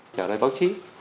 trở lại báo chí